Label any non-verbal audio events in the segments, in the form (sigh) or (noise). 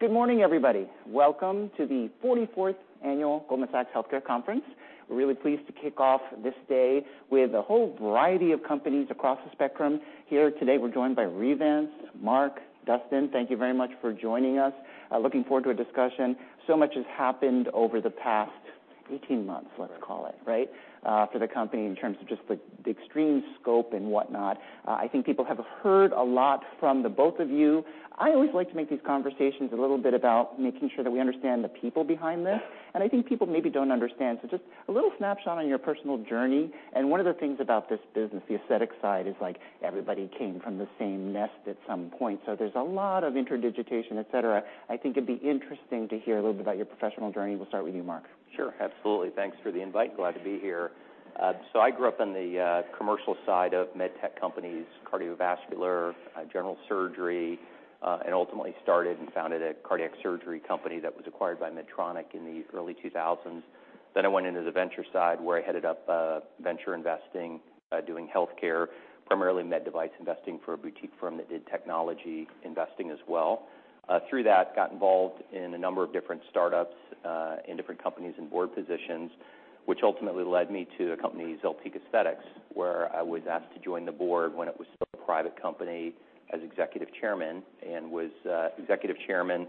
Good morning, everybody. Welcome to the 44th Annual Goldman Sachs Healthcare Conference. We're really pleased to kick off this day with a whole variety of companies across the spectrum. Here today, we're joined by Revance: Mark, Dustin thank you very much for joining us. Looking forward to a discussion. So much has happened over the past 18 months, let's call it, right, for the company in terms of just the extreme scope and whatnot. I think people have heard a lot from the both of you. I always like to make these conversations a little bit about making sure that we understand the people behind this and I think people maybe don't understand. Just a little snapshot on your personal journey. One of the things about this business the aesthetic side is like everybody came from the same nest at some point. There's a lot of interdigitation, et cetera. I think it'd be interesting to hear a little bit about your professional journey. We'll start with you, Mark. Sure, absolutely. Thanks for the invite. Glad to be here. I grew up in the commercial side of med tech companies cardiovascular, general surgery, and ultimately started and founded a cardiac surgery company that was acquired by Medtronic in the early 2000s. I went into the venture side, where I headed up venture investing, doing healthcare primarily med device investing for a boutique firm that did technology investing as well. Through that, got involved in a number of different startups in different companies and board positions, which ultimately led me to a company ZELTIQ Aesthetics, where I was asked to join the board when it was still a private company as executive chairman and was executive chairman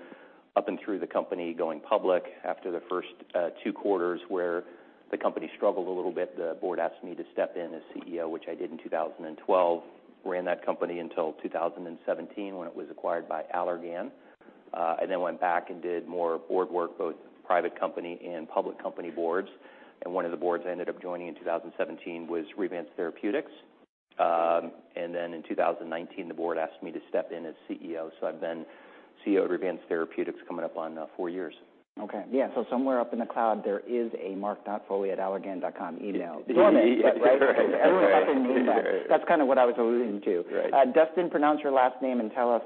up and through the company going public. After the first Q2, where the company struggled a little bit the board asked me to step in as CEO, which I did in 2012. Ran that company until 2017 when it was acquired by Allergan, and went back and did more board work, both private company and public company boards. One of the boards I ended up joining in 2017 was Revance Therapeutics. In 2019, the board asked me to step in as CEO. I've been CEO at Revance Therapeutics coming up on four years. Somewhere up in the cloud there is a mark.foley@allergan.com email. Yeah, right. That's kind of what I was alluding to. Right. Dustin, pronounce your last name and tell us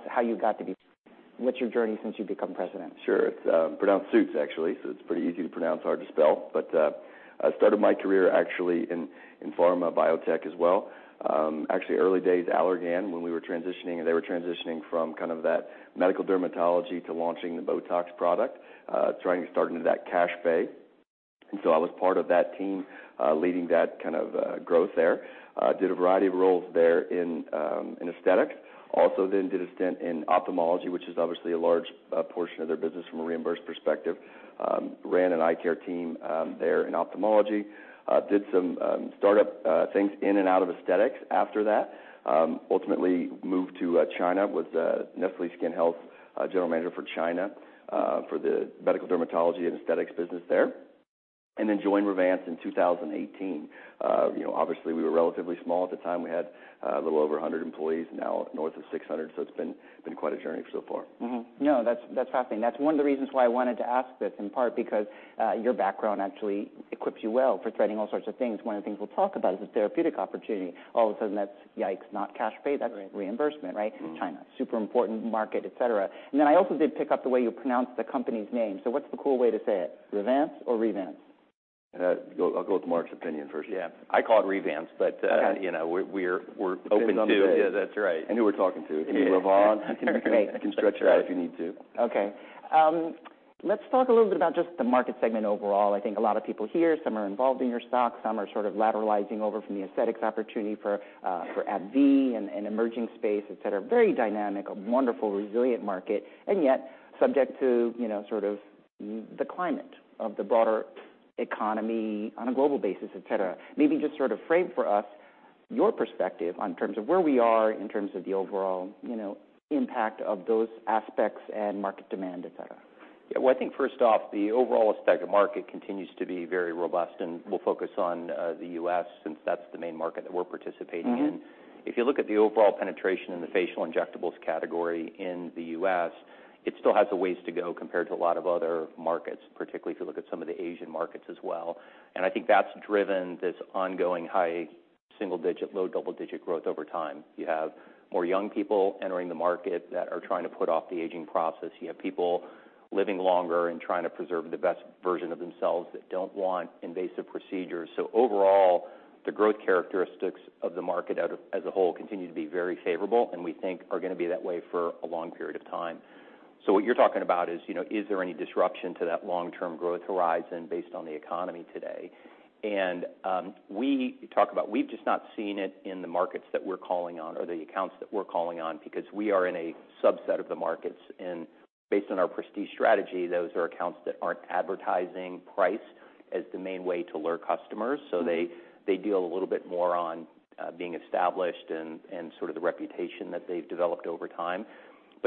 what's your journey since you've become president? Sure. It's pronounced Sjuts actually so it's pretty easy to pronounce hard to spell. I started my career actually in pharma biotech as well. Actually, early days, Allergan, when we were transitioning, they were transitioning from kind of that medical dermatology to launching the Botox product trying to start into that cash pay. I was part of that team, leading that kind of growth there. Did a variety of roles there in aesthetics. Also then did a stint in ophthalmology, which is obviously a large portion of their business from a reimbursed perspective. Ran an eye care team there in ophthalmology. Did some startup things in and out of aesthetics after that. ltimately moved to China, was Nestlé Skin Health general manager for China, for the medical dermatology and aesthetics business there, and then joined Revance in 2018. You know, obviously, we were relatively small at the time. We had a little over 100 employees now north of 600 so it's been quite a journey so far. Mm-hmm. No, that's fascinating. That's one of the reasons why I wanted to ask this, in part because your background actually equips you well for threading all sorts of things. One of the things we'll talk about is the therapeutic opportunity. All of a sudden, that's, yikes, not cash pay, that's reimbursement, right? Mm-hmm. China, super important market, et cetera. I also did pick up the way you pronounce the company's name. What's the cool way to say it, Revance or Revance? I'll go with Mark's opinion first. Yeah, I call it Revance. Okay You know, we're open to- Yeah, that's right. Who we're talking to? Great. You can stretch it out if you need to. Okay, let's talk a little bit about just the market segment overall. I think a lot of people here, some are involved in your stock some are sort of lateralizing over from the aesthetics opportunity for AbbVie and emerging space, et cetera. Very dynamic, a wonderful, resilient market, and yet subject to, you know, sort of the climate of the broader economy on a global basis, et cetera. Maybe just sort of frame for us your perspective on terms of where we are in terms of the overall, you know, impact of those aspects and market demand, et cetera. Yeah. Well, I think first off, the overall aesthetic market continues to be very robust. We'll focus on the US since that's the main market that we're participating in. Mm-hmm. If you look at the overall penetration in the facial injectables category in the US it still has a ways to go compared to a lot of other markets particularly if you look at some of the Asian markets as well. I think that's driven this ongoing high single-digit low double-digit growth over time. You have more young people entering the market that are trying to put off the aging process. You have people living longer and trying to preserve the best version of themselves that don't want invasive procedures. Overall the growth characteristics of the market as a whole continue to be very favorable, and we think are going to be that way for a long period of time. What you're talking about is, you know, is there any disruption to that long-term growth horizon based on the economy today? We talk about we've just not seen it in the markets that we're calling on or the accounts that we're calling on, because we are in a subset of the markets. Based on our prestige strategy those are accounts that aren't advertising price as the main way to lure customers. Mm-hmm. They deal a little bit more on being established and sort of the reputation that they've developed over time.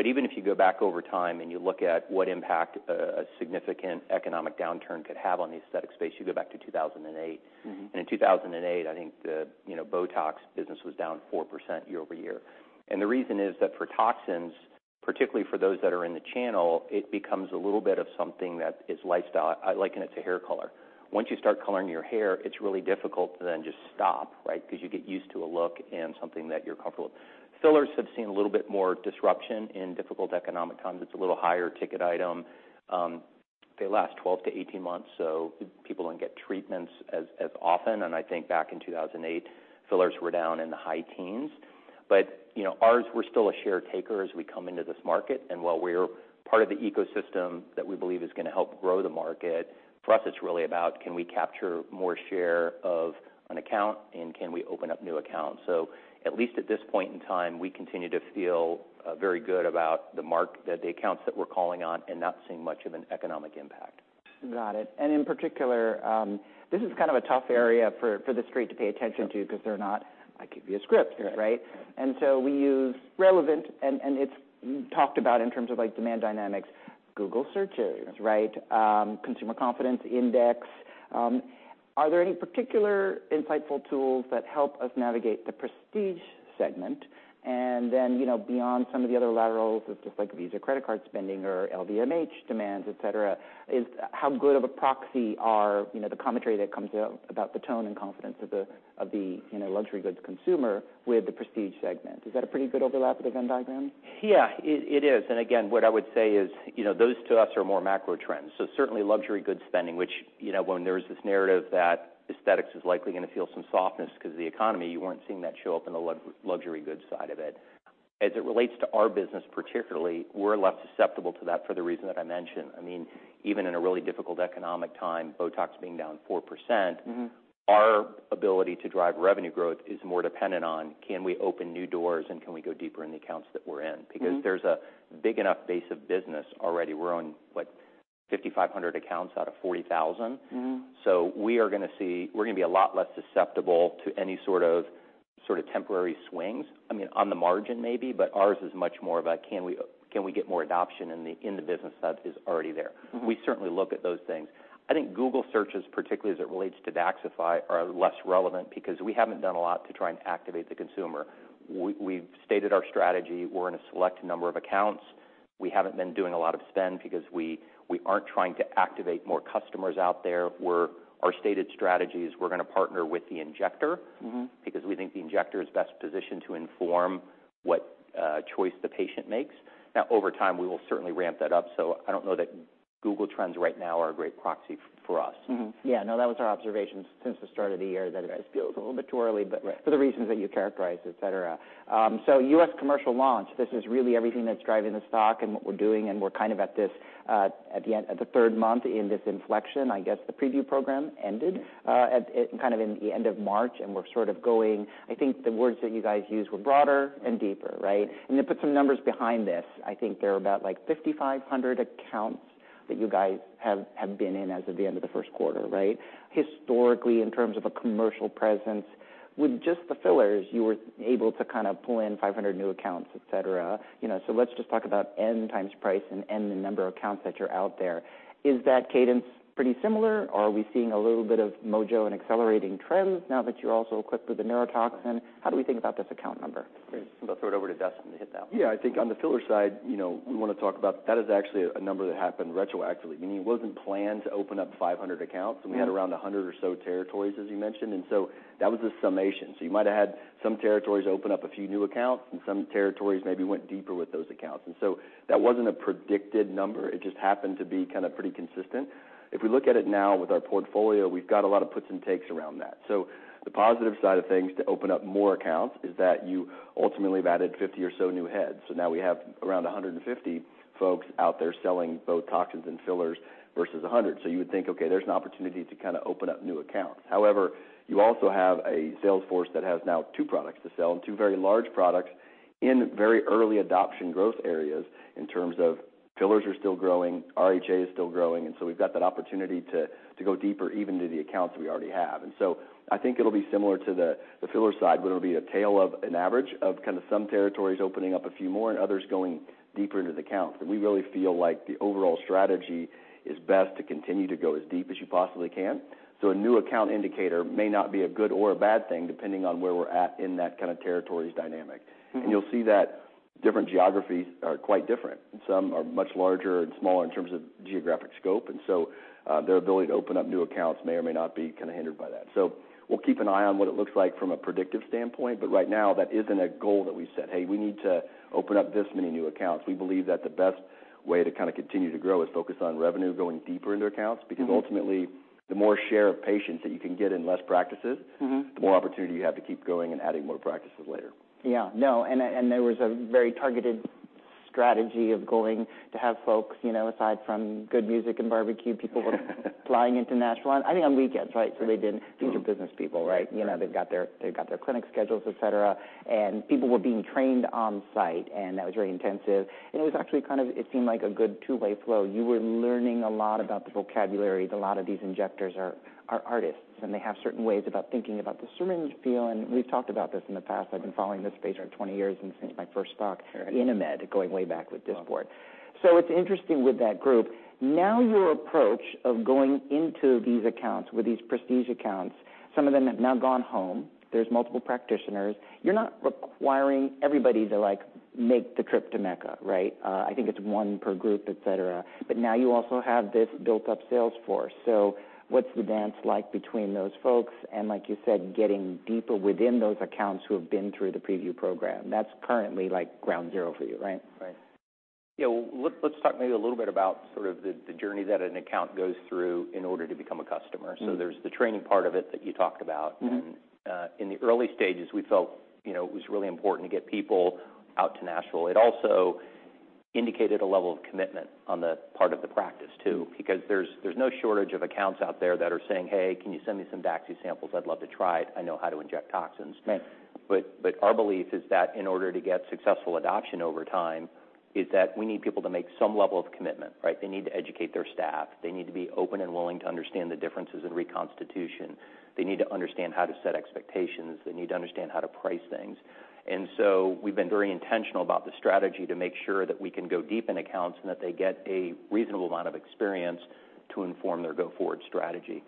Even if you go back over time and you look at what impact a significant economic downturn could have on the aesthetic space you go back to 2008. Mm-hmm. In 2008, I think the, you know, Botox business was down 4% year-over-year. The reason is that for toxins particularly for those that are in the channe it becomes a little bit of something that is lifestyle. I liken it to hair color. Once you start coloring your hair, it's really difficult to then just stop, right? Because you get used to a look and something that you're comfortable with. Fillers have seen a little bit more disruption in difficult economic times. It's a little higher ticket item. They last 12-18 months, so people don't get treatments as often. I think back in 2008, fillers were down in the high teens. You know, ours, we're still a share taker as we come into this market. While we're part of the ecosystem that we believe is going to help grow the market for us it's really about. Can we capture more share of an account and can we open up new accounts? At least at this point in time, we continue to feel very good about the accounts that we're calling on and not seeing much of an economic impact. Got it. In particular, this is kind of a tough area for the street to pay attention to because they're not, I give you a script, right? Right. We use relevant, and it's talked about in terms of, like, demand dynamics, Google searches, right? Consumer confidence index. Are there any particular insightful tools that help us navigate the prestige segment? You know, beyond some of the other laterals it's just like Visa credit card spending or LVMH demands, et cetera, is how good of a proxy are, you know, the commentary that comes out about the tone and confidence of the, you know, luxury goods consumer with the prestige segment? Is that a pretty good overlap of the Venn diagram? Yeah, it is. Again, what I would say is, you know, those to us are more macro trends. Certainly luxury goods spending, which, you know, when there was this narrative that aesthetics is likely going to feel some softness because the economy, you weren't seeing that show up in the luxury goods side of it. As it relates to our business, particularly, we're less susceptible to that for the reason that I mentioned. I mean, even in a really difficult economic time, Botox being down 4%. Mm-hmm. Our ability to drive revenue growth is more dependent on can we open new doors and can we go deeper in the accounts that we're in? Mm-hmm. There's a big enough base of business already. We're on like what, 5,500 accounts out of 40,000. Mm-hmm. We're going to be a lot less susceptible to any sort of temporary swings. I mean, on the margin maybe but ours is much more about can we get more adoption in the business that is already there? Mm-hmm. We certainly look at those things. I think Google searches particularly as it relates to Daxxify, are less relevant because we haven't done a lot to try and activate the consumer. We've stated our strategy. We're in a select number of accounts. We haven't been doing a lot of spend because we aren't trying to activate more customers out there. Our stated strategy is we're going to partner with the injector. Mm-hmm. We think the injector is best positioned to inform what choice the patient makes. Over time, we will certainly ramp that up. I don't know that Google Trends right now are a great proxy for us. Mm-hmm. Yeah, no that was our observation since the start of the year, that it feels a little bit too early- Right. For the reasons that you characterized, et cetera. US commercial launch, this is really everything that's driving the stock and what we're doing, and we're kind of at this, at the end at the 3rd month in this inflection. I guess the preview program ended, at, kind of in the end of March. I think the words that you guys used were broader and deeper, right? To put some numbers behind this, I think there are about, like, 5,500 accounts that you guys have been in as of the end of the Q1, right? Historically, in terms of a commercial presence, with just the fillers, you were able to kind of pull in 500 new accounts, et cetera. You know, let's just talk about N times price and N, the number of accounts that you're out there. Is that cadence pretty similar, or are we seeing a little bit of mojo and accelerating trends now that you're also equipped with a neurotoxin? How do we think about this account number? I'll throw it over to Dustin to hit that one. Yeah, I think on the filler side, you know, we want to talk about that is actually a number that happened retroactively. Meaning, it wasn't planned to open up 500 accounts. We had around 100 or so territories, as you mentioned. That was a summation. You might have had some territories open up a few new accounts, and some territories maybe went deeper with those accounts. That wasn't a predicted number. It just happened to be kind of pretty consistent. If we look at it now with our portfolio, we've got a lot of puts and takes around that. The positive side of things, to open up more accounts, is that you ultimately have added 50 or so new heads. Now we have around 150 folks out there selling both toxins and fillers versus 100. You would think, okay, there's an opportunity to kind of open up new accounts. However, you also have a sales force that has now two products to sell, and two very large products in very early adoption growth areas in terms of fillers are still growing, RHA is still growing, we've got that opportunity to go deeper even into the accounts we already have. I think it'll be similar to the filler side, but it'll be a tale of an average of kind of some territories opening up a few more and others going deeper into the accounts. We really feel like the overall strategy is best to continue to go as deep as you possibly can. A new account indicator may not be a good or a bad thing, depending on where we're at in that kind of territories dynamic. Mm-hmm. You'll see that different geographies are quite different. Some are much larger and smaller in terms of geographic scope, and so, their ability to open up new accounts may or may not be kind of hindered by that. We'll keep an eye on what it looks like from a predictive standpoint, but right now, that isn't a goal that we set. Hey, we need to open up this many new accounts. We believe that the best way to kind of continue to grow is focus on revenue going deeper into accounts. Mm-hmm. Because ultimately the more share of patients that you can get in less practices. Mm-hmm. The more opportunity you have to keep going and adding more practices later. Yeah. No, there was a very targeted strategy of going to have folks, you know, aside from good music and barbecue, flying into Nashville, I think on weekends, right? They didn't. These are business people, right? Right. You know, they've got their clinic schedules, et cetera, and people were being trained on-site, and that was very intensive. It was actually kind of it seemed like a good two-way flow. You were learning a lot about the vocabulary. A lot of these injectors are artists and they have certain ways about thinking about the syringe feel. We've talked about this in the past. I've been following this space around 20 years and this is my first. Sure. (crosstalk) going way back with this board. It's interesting with that group now your approach of going into these accounts with these prestige accounts, some of them have now gone home. There's multiple practitioners. You're not requiring everybody to, like, make the trip to Mecca, right? I think it's one per group, et cetera. Now you also have this built-up sales force. What's the dance like between those folks and, like you said, getting deeper within those accounts who have been through the preview program? That's currently, like, ground zero for you, right? Right. Yeah, well, let's talk maybe a little bit about sort of the journey that an account goes through in order to become a customer. Mm-hmm. There's the training part of it that you talked about. Mm-hmm. In the early stages, we felt, you know, it was really important to get people out to Nashville. It also indicated a level of commitment on the part of the practice, too, because there's no shortage of accounts out there that are saying, Hey, can you send me some Daxxify samples? I'd love to try it. I know how to inject toxins. Right. Our belief is that in order to get successful adoption over time, is that we need people to make some level of commitment, right? They need to educate their staff. They need to be open and willing to understand the differences in reconstitution. They need to understand how to set expectations. They need to understand how to price things. We've been very intentional about the strategy to make sure that we can go deep in accounts and that they get a reasonable amount of experience to inform their go-forward strategy.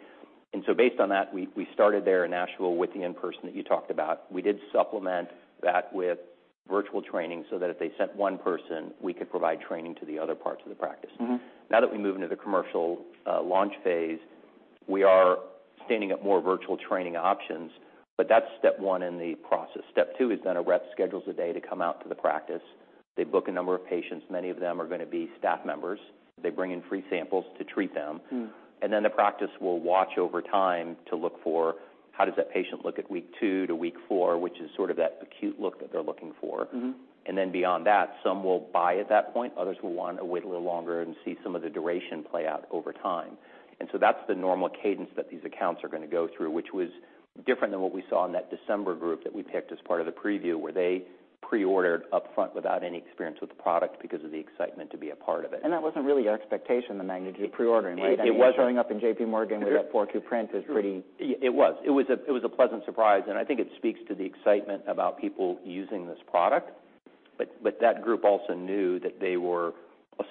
Based on that, we started there in Nashville with the in-person that you talked about. We did supplement that with virtual training so that if they sent one person, we could provide training to the other parts of the practice. Mm-hmm. We move into the commercial launch phase we are standing up more virtual training options. That's step one in the process. Step two is a rep schedules a day to come out to the practice. They book a number of patients many of them are gonna be staff members. They bring in free samples to treat them. Mm. The practice will watch over time to look for how does that patient look at week two to week four, which is sort of that acute look that they're looking for. Mm-hmm. Beyond that, some will buy at that point others will want to wait a little longer and see some of the duration play out over time. That's the normal cadence that these accounts are gonna go through, which was different than what we saw in that December group that we picked as part of the preview where they pre-ordered upfront without any experience with the product because of the excitement to be a part of it. That wasn't really your expectation, the magnitude of pre-ordering, right? It was- Showing up in J.P. Morgan with that 42 print is pretty- It was a pleasant surprise, and I think it speaks to the excitement about people using this product. That group also knew that they were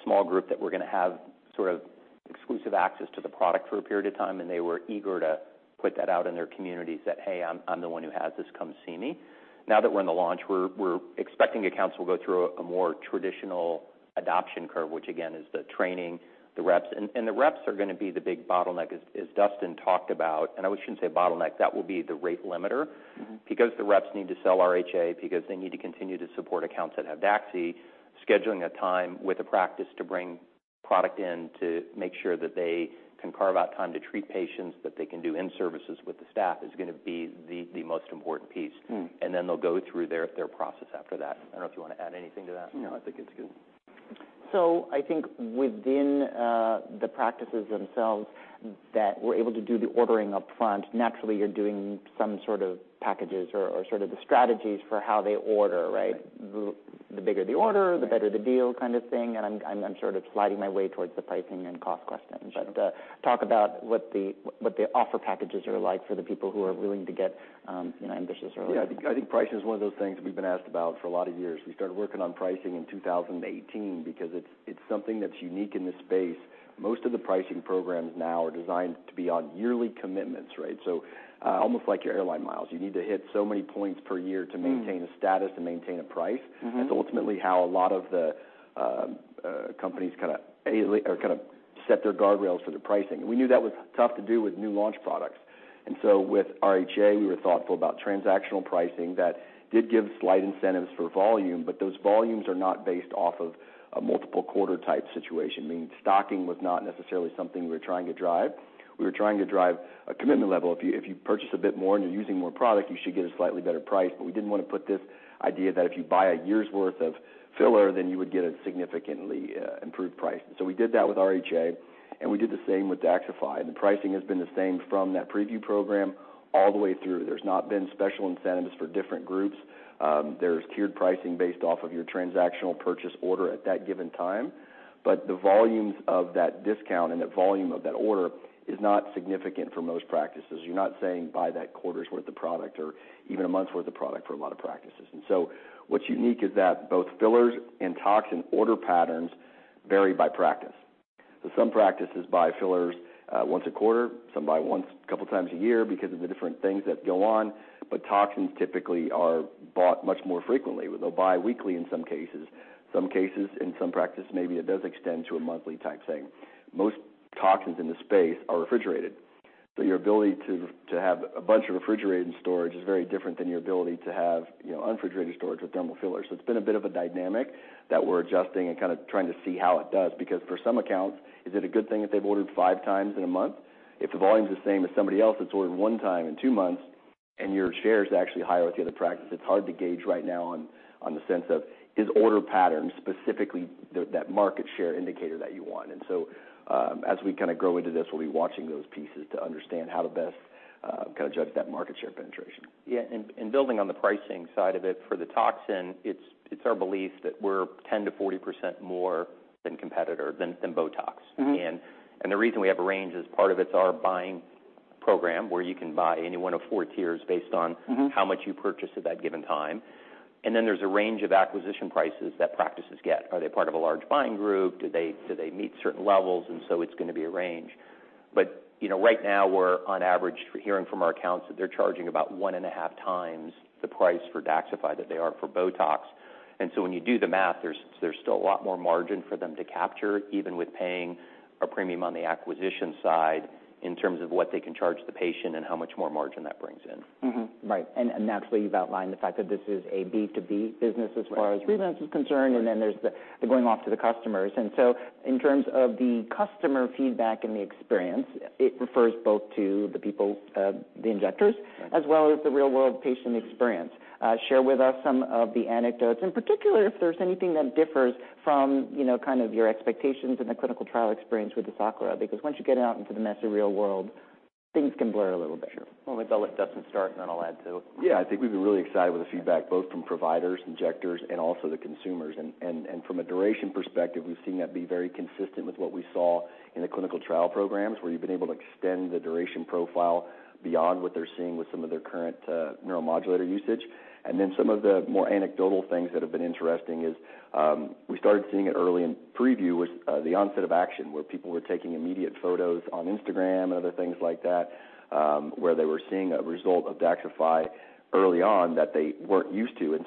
gonna have sort of exclusive access to the product for a period of time, and they were eager to put that out in their communities that, Hey, I'm the one who has this. Come see me." Now that we're in the launch, we're expecting accounts will go through a more traditional adoption curve, which again is the training the reps. The reps are gonna be the big bottleneck, as Dustin talked about, and I shouldn't say bottleneck, that will be the rate limiter. Mm-hmm. The reps need to sell RHA, because they need to continue to support accounts that have Daxxi, scheduling a time with a practice to bring product in to make sure that they can carve out time to treat patients that they can do in-services with the staff is gonna be the most important piece. Mm. Then they'll go through their process after that. I don't know if you wanna add anything to that? I think it's good. I think within the practices themselves that we're able to do the ordering upfront, naturally, you're doing some sort of packages or sort of the strategies for how they order, right? Right. The bigger the order the better the deal kind of thing, and I'm sort of sliding my way towards the pricing and cost question. Sure. Talk about what the offer packages are like for the people who are willing to get, you know, ambitious early. I think pricing is one of those things we've been asked about for a lot of years. We started working on pricing in 2018 because it's something that's unique in this space. Most of the pricing programs now are designed to be on yearly commitments, right? almost like your airline miles you need to hit so many points per year. Mm to maintain a status and maintain a price. Mm-hmm. That's ultimately how a lot of the companies kind a set their guardrails for the pricing. We knew that was tough to do with new launch products. With RHA, we were thoughtful about transactional pricing that did give slight incentives for volume but those volumes are not based off of a multiple quarter type situation. Meaning, stocking was not necessarily something we were trying to drive. We were trying to drive a commitment level. If you purchase a bit more and you're using more product, you should get a slightly better price. We didn't wanna put this idea that if you buy a year's worth of filler, then you would get a significantly improved price. We did that with RHA, and we did the same with Daxxify. The pricing has been the same from that preview program all the way through. There's not been special incentives for different groups. There's tiered pricing based off of your transactional purchase order at that given time but the volumes of that discount and the volume of that order is not significant for most practices. You're not saying buy that quarter's worth of product or even a month's worth of product for a lot of practices. What's unique is that both fillers and toxin order patterns vary by practice. Some practices buy fillers once a quarter, some buy once a couple of times a year because of the different things that go on toxins typically are bought much more frequently. They'll buy weekly in some cases. Some cases, in some practices maybe it does extend to a monthly type thing. Most toxins in the space are refrigerated so your ability to have a bunch of refrigerated storage is very different than your ability to have, you know, unrefrigerated storage with dermal fillers. It's been a bit of a dynamic that we're adjusting and kind of trying to see how it does because for some accounts, is it a good thing that they've ordered five times in a month? If the volume is the same as somebody else that's ordered one time in two months and your share is actually higher with the other practice, it's hard to gauge right now on the sense of is order pattern, specifically that market share indicator that you want. As we kind a grow into this, we'll be watching those pieces to understand how to best kind of judge that market share penetration. Yeah, building on the pricing side of it, for the toxin, it's our belief that we're 10%-40% more than competitor than Botox. Mm-hmm. The reason we have a range is part of it's our buying program, where you can buy any one of four tiers based on- Mm-hmm How much you purchase at that given time. There's a range of acquisition prices that practices get. Are they part of a large buying group? Do they meet certain levels? It's gonna be a range. Right now, we're on average, we're hearing from our accounts that they're charging about 1.5 times the price for Daxxify than they are for Botox. When you do the math there's still a lot more margin for them to capture, even with paying a premium on the acquisition side in terms of what they can charge the patient and how much more margin that brings in. Mm-hmm, right. Naturally, you've outlined the fact that this is a B2B business as far as. Right Revance is concerned, and then there's the going off to the customers. In terms of the customer feedback and the experience, it refers both to the people, the injectors. Right as well as the real-world patient experience. Share with us some of the anecdotes, in particular, if there's anything that differs from, you know, kind of your expectations and the clinical trial experience with the Daxxify. Once you get it out into the messy real world things can blur a little bit. Sure. I'll let Dustin start and then I'll add too. Yeah, I think we've been really excited with the feedback both from providers, injectors, and also the consumers. From a duration perspective we've seen that be very consistent with what we saw in the clinical trial programs where you've been able to extend the duration profile beyond what they're seeing with some of their current neuromodulator usage. Some of the more anecdotal things that have been interesting is we started seeing it early in preview with the onset of action, where people were taking immediate photos on Instagram and other things like that where they were seeing a result of Daxxify early on that they weren't used to.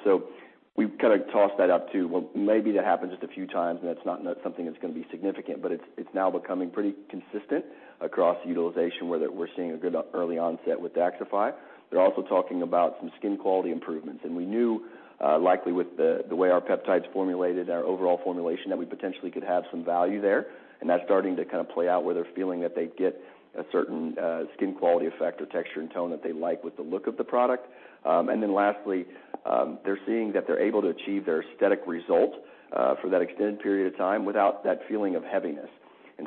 We've got a toss that up too. Maybe that happened just a few times and it's not something that's going to be significant but it's now becoming pretty consistent across utilization where we're seeing a good early onset with Daxxify. We're also talking about some skin quality improvements. We knew, likely with the way our peptides formulated and our overall formulation, that we potentially could have some value there. That's starting to play out, where they're feeling that they get a certain skin quality effect or texture and tone that they like with the look of the product. Lastly, they're seeing that they're able to achieve their aesthetic results for that extended period of time without that feeling of heaviness.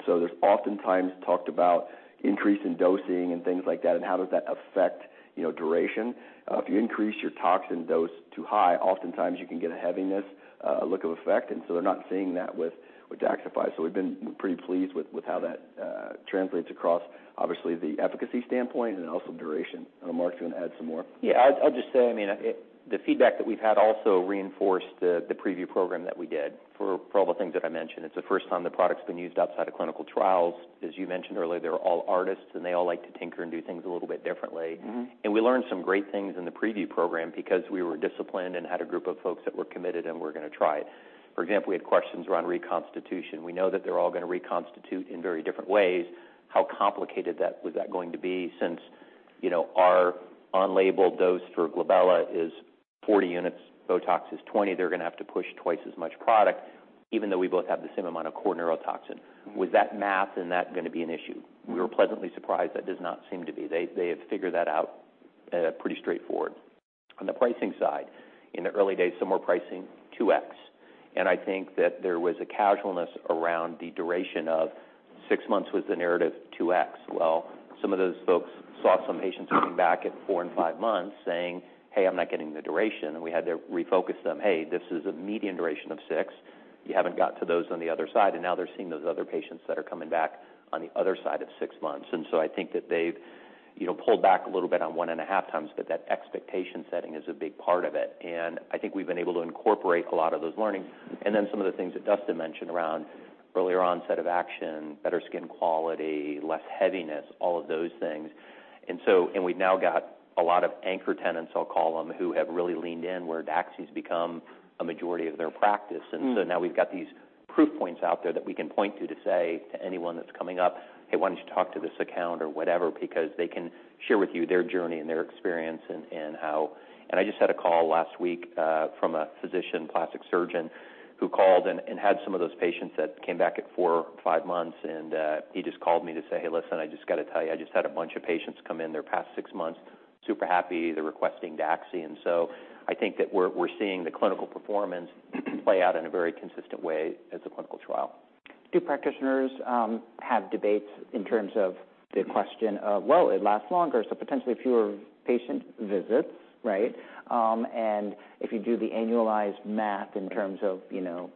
There's oftentimes talked about increase in dosing and things like that and how does that affect, you know, duration. If you increase your toxin dose too high oftentimes you can get a heaviness look of effect. They're not seeing that with Daxxify. We've been pretty pleased with how that translates across, obviously, the efficacy standpoint and also duration. Mark, do you want to add some more? Yeah, I'd just say, I mean, the feedback that we've had also reinforced the preview program that we did for all the things that I mentioned. It's the first time the product's been used outside of clinical trials. As you mentioned earlier, they're all artists and they all like to tinker and do things a little bit differently. Mm-hmm. We learned some great things in the preview program because we were disciplined and had a group of folks that were committed and were gonna try it. For example, we had questions around reconstitution. We know that they're all going to reconstitute in very different ways. How complicated was that going to be since, you know, our on-label dose for glabella is 40 units, Botox is 20, they're going to have to push twice as much product even though we both have the same amount of core neurotoxin. Mm-hmm. With that math, and that going to be an issue? We were pleasantly surprised that does not seem to be. They have figured that out pretty straightforward. On the pricing side in the early days some were pricing 2x, and I think that there was a casualness around the duration of six months with the narrative 2x. Well, some of those folks saw some patients coming back at four and five months saying, Hey, I'm not getting the duration. We had to refocus them: Hey, this is a median duration of six. You haven't got to those on the other side, now they're seeing those other patients that are coming back on the other side of six months. I think that they've, you know, pulled back a little bit on one and a half times, but that expectation setting is a big part of it. I think we've been able to incorporate a lot of those learnings. Then some of the things that Dustin mentioned around earlier onset of action, better skin quality, less heaviness, all of those things. We've now got a lot of anchor tenants, I'll call them, who have really leaned in, where Daxi's become a majority of their practice. Mm. Now we've got these proof points out there that we can point to say to anyone that's coming up, Hey, why don't you talk to this account? Or whatever, because they can share with you their journey and their experience and how. I just had a call last week from a physician, plastic surgeon, who called and had some of those patients that came back at four five months, and he just called me to say: Hey, listen, I just got to tell you, I just had a bunch of patients come in. They're past six months, super happy. They're requesting Daxxi. I think that we're seeing the clinical performance play out in a very consistent way as a clinical trial. Do practitioners have debates in terms of the question of, Well, it lasts longer, so potentially fewer patient visits, right? If you do the annualized math in terms of, you know,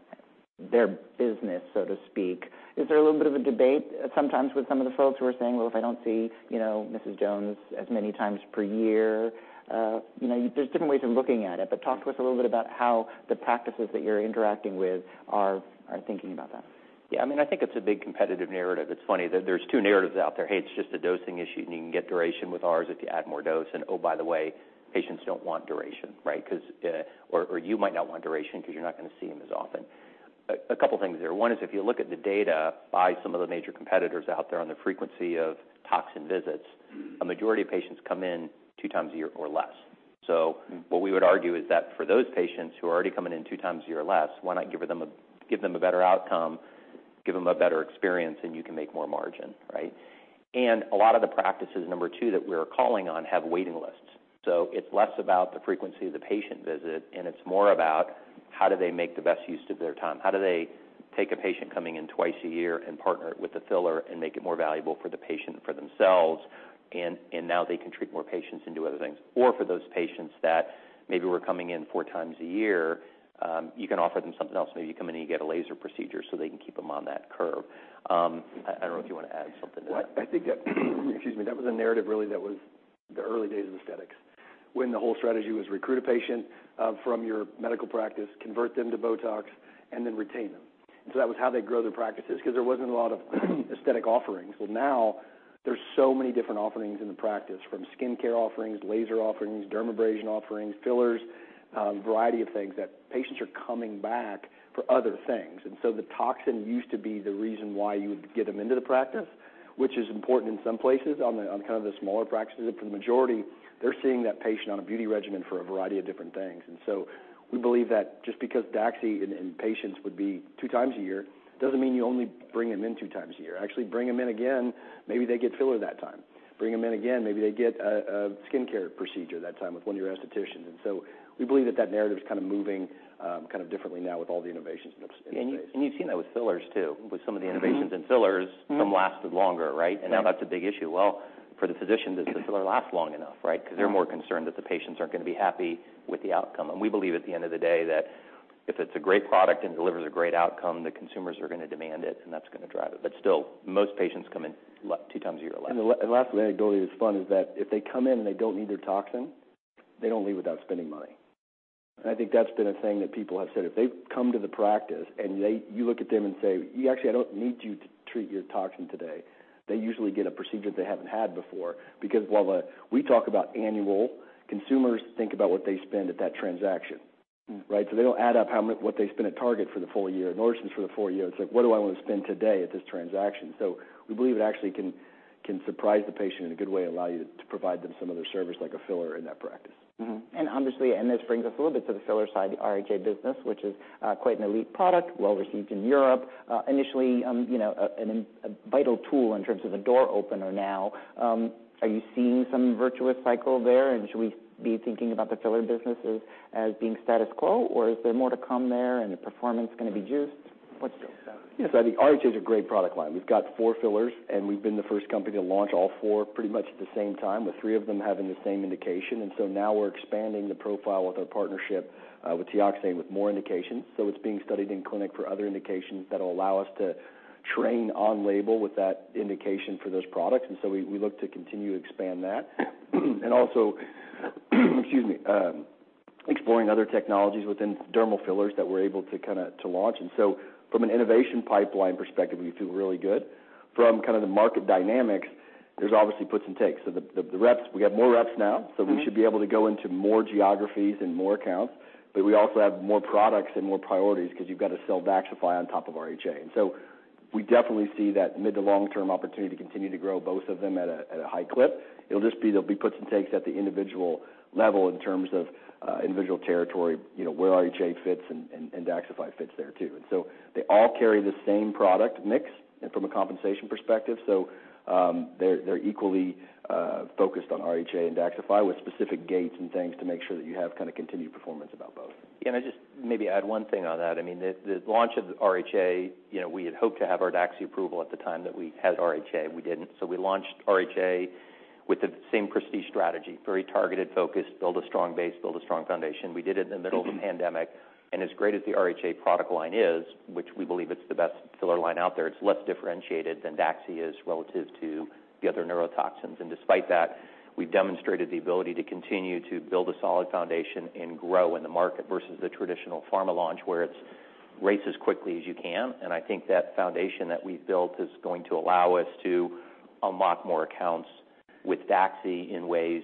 their business, so to speak, is there a little bit of a debate sometimes with some of the folks who are saying: Well, if I don't see, you know, Mrs. Jones as many times per year, you know, there's different ways of looking at it? Talk to us a little bit about how the practices that you're interacting with are thinking about that. I mean I think it's a big competitive narrative. It's funny that there's two narratives out there. Hey, it's just a dosing issue, and you can get duration with ours if you add more dose. Oh, by the way, patients don't want duration, right? Because, or, you might not want duration because you're not going to see them as often. A couple things there. One is, if you look at the data by some of the major competitors out there on the frequency of toxin visits, a majority of patients come in 2 times a year or less. What we would argue is that for those patients who are already coming in two times a year or less, why not give them a better outcome give them a better experience, and you can make more margin, right? A lot of the practices number two, that we're calling on have waiting lists. It's less about the frequency of the patient visit, and it's more about how do they make the best use of their time? How do they take a patient coming in twice a year and partner it with the filler and make it more valuable for the patient and for themselves, and now they can treat more patients and do other things. For those patients that maybe were coming in four times a year you can offer them something else. Maybe you come in and you get a laser procedure so they can keep them on that curve. I don't know if you want to add something to that. I think that, excuse me, that was a narrative, really, that was the early days of aesthetics, when the whole strategy was recruit a patient from your medical practice, convert them to Botox, and then retain them. That was how they grow their practices because there wasn't a lot of aesthetic offerings. Now, there's so many different offerings in the practice from skincare offerings, laser offerings, dermabrasion offerings, fillers, variety of things, that patients are coming back for other things. The toxin used to be the reason why you would get them into the practice, which is important in some places, on kind of the smaller practices. For the majority, they're seeing that patient on a beauty regimen for a variety of different things. We believe that just because Daxxi in patients would be two times a year, doesn't mean you only bring them in two times a year. Actually, bring them in again, maybe they get filler that time. Bring them in again, maybe they get a skincare procedure that time with one of your aestheticians. We believe that narrative is kind of moving, kind of differently now with all the innovations in the space. You, and you've seen that with fillers, too. With some of the innovations. Mm-hmm. -in fillers- Mm-hmm. some lasted longer, right? Yeah. Now that's a big issue. Well, for the physician, does the filler last long enough, right? Yeah. They're more concerned that the patients aren't going to be happy with the outcome. We believe at the end of the day that if it's a great product and delivers a great outcome, the consumers are going to demand it and that's going to drive it. Still, most patients come in two times a year less. Last anecdote is fun, is that if they come in and they don't need their toxin they don't leave without spending money. I think that's been a thing that people have said. If they've come to the practice and you look at them and say, You actually, I don't need you to treat your toxin today. They usually get a procedure they haven't had before. While we talk about annual consumers think about what they spend at that transaction. Mm-hmm. Right? They don't add up what they spend at Target for the full year or Nordstrom for the full year. It's like, what do I want to spend today at this transaction? We believe it actually can surprise the patient in a good way allow you to provide them some other service like a filler in that practice. Mm-hmm. Obviously, this brings us a little bit to the filler side the RHA business which is quite an elite product well-received in Europe. Initially, you know, a vital tool in terms of the door opener now. Are you seeing some virtuous cycle there? Should we be thinking about the filler business as being status quo, or is there more to come there and the performance is going to be juiced? What's- Yes, I think RHA is a great product line. We've got four fillers, and we've been the first company to launch all four pretty much at the same time with three of them having the same indication. Now we're expanding the profile with our partnership, with Teoxane with more indications. So it's being studied in clinic for other indications that will allow us to train on label with that indication for those products. We, we look to continue to expand that. Also, excuse me, exploring other technologies within dermal fillers that we're able to launch. From an innovation pipeline perspective, we feel really good. From kind of the market dynamics, there's obviously puts and takes. The reps, we got more reps now. Mm-hmm. We should be able to go into more geographies and more accounts but we also have more products and more priorities because you've got to sell Daxxify on top of RHA. We definitely see that mid to long-term opportunity to continue to grow both of them at a high clip. It'll just be there'll be puts and takes at the individual level in terms of individual territory, you know, where RHA fits and Daxxify fits there too. They all carry the same product mix and from a compensation perspective, so, they're equally focused on RHA and Daxxify with specific gates and things to make sure that you have kind of continued performance about both. Yeah, I just maybe add one thing on that. I mean, the launch of RHA, you know, we had hoped to have our Daxxi approval at the time that we had RHA. We didn't. We launched RHA with the same prestige strategy very targeted focused build a strong base build a strong foundation. We did it in the middle of the pandemic. Mm-hmm. As great as the RHA product line is, which we believe it's the best filler line out there, it's less differentiated than Daxxi is relative to the other neurotoxins. Despite that, we've demonstrated the ability to continue to build a solid foundation and grow in the market versus the traditional pharma launch, where it's race as quickly as you can. I think that foundation that we've built is going to allow us to unlock more accounts with Daxxi in ways.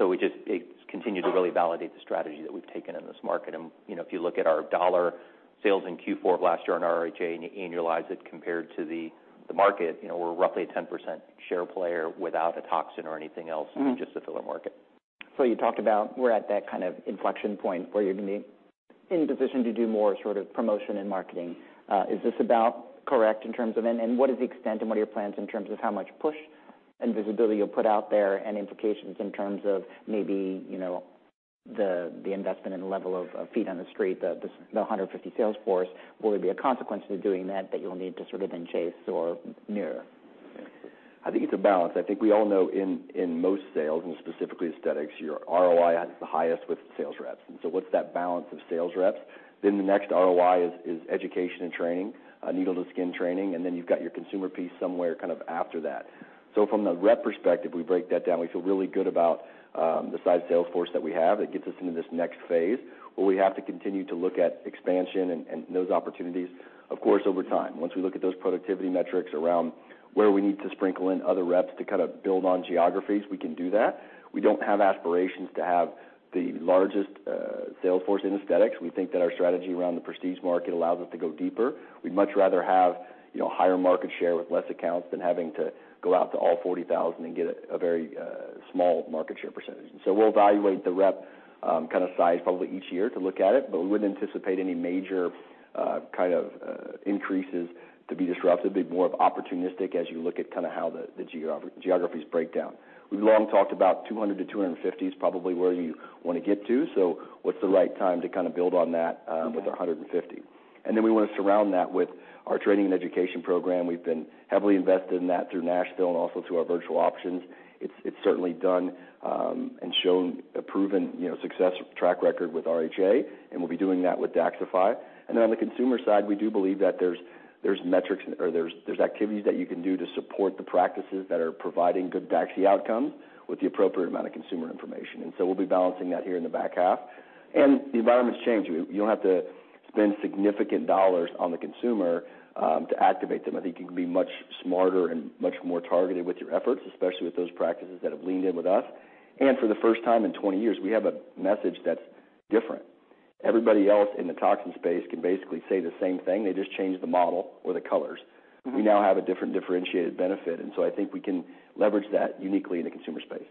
We just, it continued to really validate the strategy that we've taken in this market. You know, if you look at our $ sales in Q4 of last year on RHA and annualize it compared to the market, you know, we're roughly a 10% share player without a toxin or anything else. Mm-hmm. -in just the filler market. You talked about we're at that kind of inflection point where you're going to be in position to do more sort of promotion and marketing. Is this about correct in terms of... And what is the extent and what are your plans in terms of how much push and visibility you'll put out there, and implications in terms of maybe, you know, the investment and the level of feet on the street, the 150 sales force? Will there be a consequence to doing that you'll need to sort of then chase or mirror? I think it's a balance. I think we all know in most sales, and specifically aesthetics, your ROI is the highest with sales reps. What's that balance of sales reps? The next ROI is education and training, needle-to-skin training, and then you've got your consumer piece somewhere kind of after that. From the rep perspective, we break that down. We feel really good about the size sales force that we have. It gets us into this next phase, where we have to continue to look at expansion and those opportunities. Over time, once we look at those productivity metrics around where we need to sprinkle in other reps to kind of build on geographies, we can do that. We don't have aspirations to have the largest sales force in aesthetics. We think that our strategy around the prestige market allows us to go deeper. We'd much rather have, you know, higher market share with less accounts than having to go out to all 40,000 and get a very small market share percentage. We'll evaluate the rep kind of size probably each year to look at it but we wouldn't anticipate any major kind of increases to be disruptive. It'd be more of opportunistic as you look at kind of how the geographies break down. We've long talked about 200-250 is probably where you want to get to. What's the right time to kind of build on that. Mm-hmm. -with 150. We want to surround that with our training and education program. We've been heavily invested in that through Nashville and also through our virtual options. It's certainly done and shown a proven, you know, success track record with RHA, and we'll be doing that with Daxxify. On the consumer side, we do believe that there's metrics or there's activities that you can do to support the practices that are providing good Daxxi outcomes with the appropriate amount of consumer information. We'll be balancing that here in the back half. The environment's changing. You don't have to spend significant dollars on the consumer to activate them. I think you can be much smarter and much more targeted with your efforts, especially with those practices that have leaned in with us. For the first time in 20 years, we have a message that's different. Everybody else in the toxin space can basically say the same thing. They just change the model or the colors. We now have a different differentiated benefit, and so I think we can leverage that uniquely in the consumer space.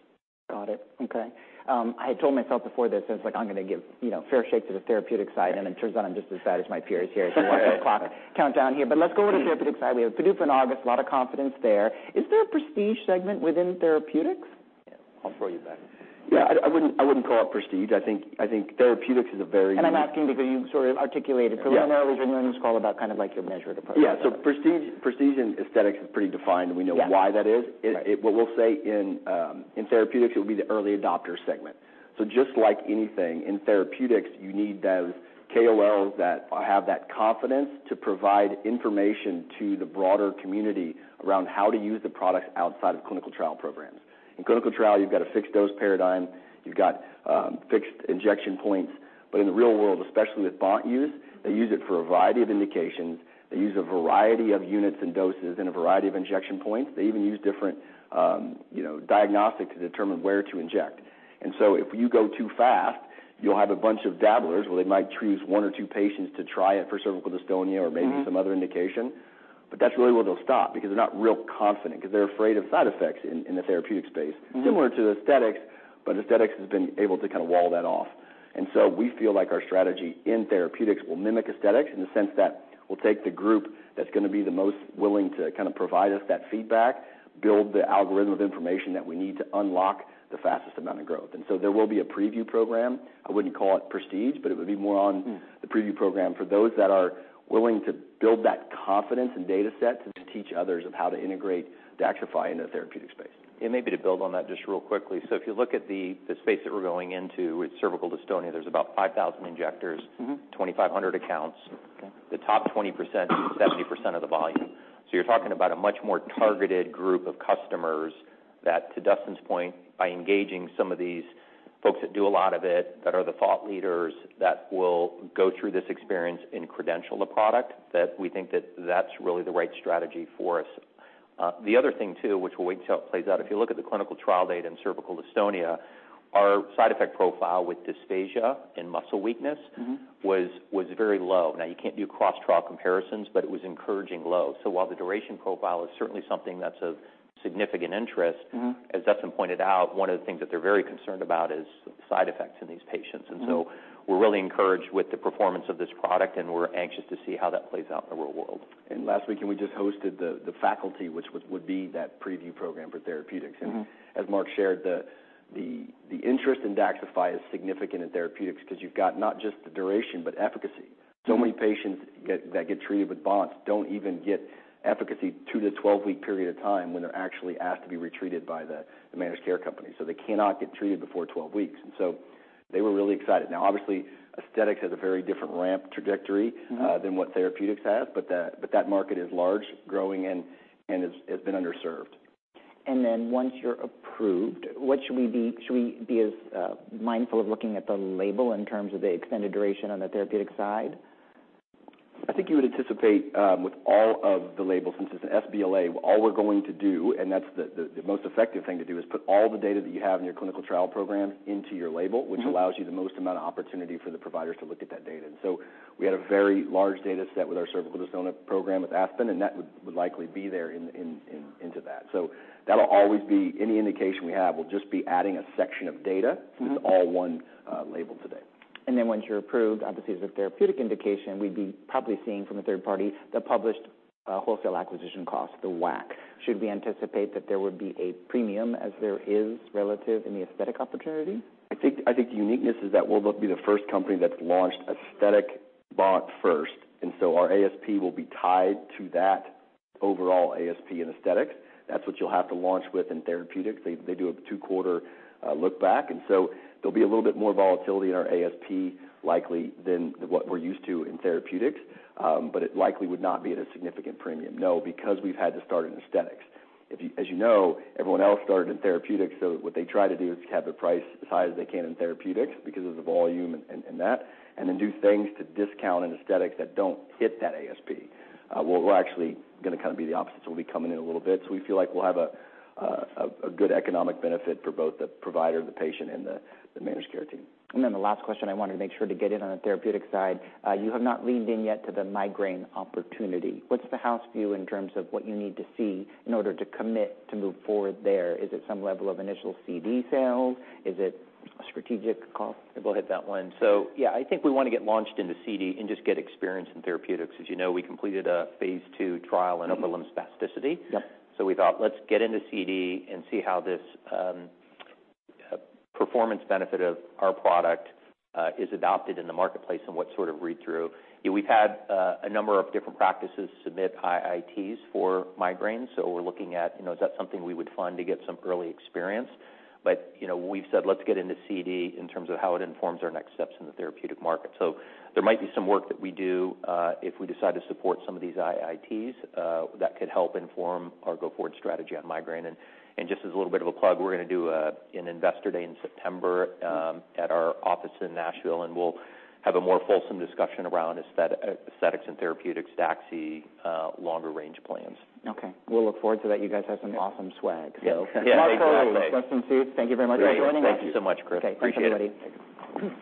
Got it. Okay. I had told myself before this, I was like: I'm gonna give, you know, fair shake to the therapeutic side. It turns out I'm just as bad as my peers here watching the clock count down here. Let's go to the therapeutic side. We have PDUFA in August. A lot of confidence there. Is there a prestige segment within therapeutics? I'll throw you back. Yeah, I wouldn't call it prestige. I think therapeutics is a very. I'm asking because you sort of articulated... Yeah. We know earlier in this call about kind of like your measure of the product. Yeah, prestige and aesthetics is pretty defined, and we know- Yeah... why that is. Right. It, what we'll say in therapeutics, it will be the early adopter segment. Just like anything in therapeutics, you need those KOLs that have that confidence to provide information to the broader community around how to use the product outside of clinical trial programs. In clinical trial, you've got a fixed dose paradigm, you've got fixed injection points. In the real world, especially with bot use, they use it for a variety of indications. They use a variety of units and doses and a variety of injection points. They even use different, you know, diagnostic to determine where to inject. If you go too fast, you'll have a bunch of dabblers where they might choose one or two patients to try it for cervical dystonia or maybe. Mm-hmm... some other indication. That's really where they'll stop because they're not real confident, because they're afraid of side effects in the therapeutic space. Mm-hmm. Similar to aesthetics. Aesthetics has been able to kind of wall that off. We feel like our strategy in therapeutics will mimic aesthetics in the sense that we'll take the group that's gonna be the most willing to kind of provide us that feedback build the algorithm of information that we need to unlock the fastest amount of growth. There will be a preview program. I wouldn't call it prestige, but it would be more on. Mm... the preview program for those that are willing to build that confidence and data set to teach others of how to integrate Daxxify in the therapeutic space. Maybe to build on that just real quickly. If you look at the space that we're going into with cervical dystonia, there's about 5,000 injectors. Mm-hmm. 2,500 accounts. Okay. The top 20%, is 70% of the volume. You're talking about a much more targeted group of customers that, to Dustin's point, by engaging some of these folks that do a lot of it, that are the thought leaders, that will go through this experience and credential the product, that we think that that's really the right strategy for us. The other thing, too, which we'll wait to how it plays out if you look at the clinical trial data in cervical dystonia our side effect profile with dysphagia and muscle weakness- Mm-hmm... was very low. You can't do cross trial comparisons, but it was encouraging low. While the duration profile is certainly something that's of significant interest. Mm-hmm as Dustin pointed out, one of the things that they're very concerned about is side effects in these patients. Mm-hmm. We're really encouraged with the performance of this product, and we're anxious to see how that plays out in the real world. Last week, and we just hosted the faculty, which would be that preview program for therapeutics. Mm-hmm. As Mark shared the interest in Daxxify is significant in therapeutics because you've got not just the duration but efficacy. Mm-hmm. Many patients that get treated with bots, don't even get efficacy two to 12-week period of time when they're actually asked to be retreated by the managed care company. They cannot get treated before 12 weeks. They were really excited. Now, obviously, aesthetics has a very different ramp trajectory. Mm-hmm than what Therapeutics has, but that market is large, growing and has been underserved. Once you're approved, what should we be as mindful of looking at the label in terms of the extended duration on the therapeutic side? I think you would anticipate, with all of the labels, since it's an sBLA, all we're going to do, and that's the most effective thing to do is put all the data that you have in your clinical trial program into your label. Mm-hmm... which allows you the most amount of opportunity for the providers to look at that data. We had a very large data set with our cervical dystonia program with ASPEN, that would likely be there into that. That'll always be any indication we have. We'll just be adding a section of data- Mm-hmm... with all one label today. Once you're approved, obviously, as a therapeutic indication we'd be probably seeing from a 3rd party the published, wholesale acquisition cost, the WAC. Should we anticipate that there would be a premium as there is relative in the aesthetic opportunity? I think the uniqueness is that we'll both be the first company that's launched aesthetic bot first and so our ASP will be tied to that overall ASP in aesthetics. That's what you'll have to launch with in therapeutics. They do a Q2 look back, and so there'll be a little bit more volatility in our ASP, likely than what we're used to in therapeutics. It likely would not be at a significant premium. No, because we've had to start in aesthetics. As you know, everyone else started in therapeutics, what they try to do is to have the price as high as they can in therapeutics because of the volume and that, and then do things to discount in aesthetics that don't hit that ASP. We're actually gonna kind of be the opposite, so we'll be coming in a little bit. We feel like we'll have a good economic benefit for both the provider the patient and the managed care team. The last question I wanted to make sure to get in on the therapeutic side. You have not leaned in yet to the migraine opportunity. What's the house view in terms of what you need to see in order to commit to move forward there? Is it some level of initial CD sales? Is it a strategic call? I'll go hit that one. Yeah, I think we want to get launched into CD and just get experience in therapeutics. As you know, we completed a phase 2 trial in upper limb spasticity. Yep. We thought, let's get into CD and see how this performance benefit of our product is adopted in the marketplace and what sort of read through. We've had a number of different practices submit high ITs for migraines, we're looking at, you know, is that something we would fund to get some early experience? You know, we've said let's get into CD in terms of how it informs our next steps in the therapeutic market. There might be some work that we do, if we decide to support some of these IITs, that could help inform our go-forward strategy on migraine. Just as a little bit of a plug, we're gonna do an investor day in September. Mm-hmm... at our office in Nashville, and we'll have a more fulsome discussion around aesthetics and therapeutics, Daxxi, longer range plans. Okay. We'll look forward to that. You guys have some awesome swag. Yeah, exactly. Yeah. Mark Foley, Dustin Sjuts, thank you very much for joining us. Thank you so much, Chris. Okay. Appreciate it. Thanks, everybody.